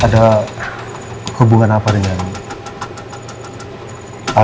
ada hubungan apa dengan aldebaran dan ra